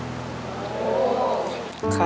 ชุดมนุรา